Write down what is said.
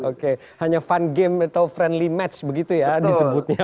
oke hanya fun game atau friendly match begitu ya disebutnya